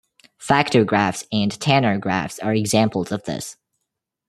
Factor graphs and Tanner graphs are examples of this.